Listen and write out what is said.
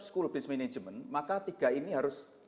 school based management maka tiga ini harus